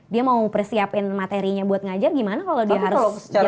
dia mau persiapin materinya buat ngajar gimana kalo dia harus jalan jalan kemana mana